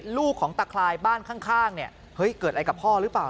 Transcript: ลูกของตะคลายบ้านข้างเนี่ยเฮ้ยเกิดอะไรกับพ่อหรือเปล่า